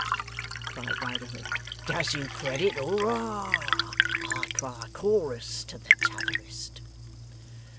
cried Riderhood. 'Does you credit! Hooroar! I cry chorus to the T'otherest.